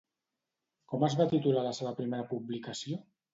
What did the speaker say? Com es va titular la seva primera publicació?